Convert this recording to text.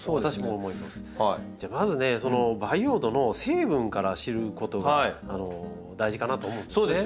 じゃあまずねその培養土の成分から知ることが大事かなと思うんですね。